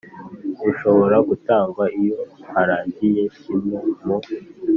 rushobora gutangwa iyo harangiye kimwe mu